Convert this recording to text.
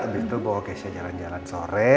abis itu bawa keisha jalan jalan sore